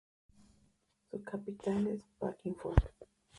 Su capital es Pfäffikon.